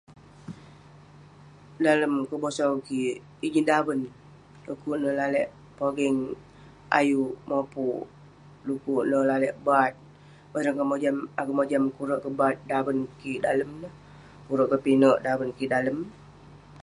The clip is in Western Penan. Dalem kebosau kik, ijin daven. Dukuk neh lalek pogeng ayuk mopuk. Dukuk ne lalek bat. Bareng akeuk mojam akeuk mojam kurek kebat daven kik dalem neh. Kurek kepinek daven kik dalem.